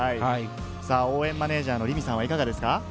応援マネージャーの凛美さんはいかがですか？